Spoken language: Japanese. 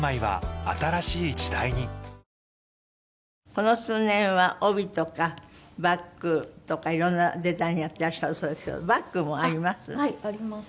この数年は帯とかバッグとかいろんなデザインやっていらしたそうですけどバッグもあります？